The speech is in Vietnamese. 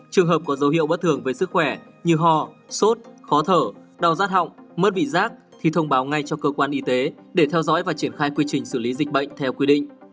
trường hợp có dấu hiệu bất thường về sức khỏe như ho sốt khó thở đau rát họng mất vị giác thì thông báo ngay cho cơ quan y tế để theo dõi và triển khai quy trình xử lý dịch bệnh theo quy định